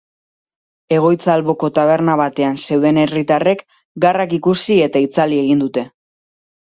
Egoitza alboko taberna batean zeuden herritarrek garrak ikusi eta itzali egin dute.